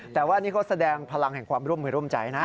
แต่ว่านี่เขาแสดงพลังแห่งความร่วมมือร่วมใจนะ